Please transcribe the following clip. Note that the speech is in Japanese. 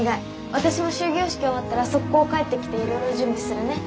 私も終業式終わったらソッコー帰ってきていろいろ準備するね。